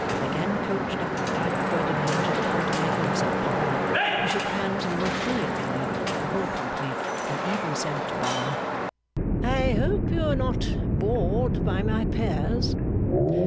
Again coached up by Ferdinand to the point of making himself popular, he shook hands in the most brilliant manner with the whole company, and even said to Bar, 'I hope you were not bored by my pears?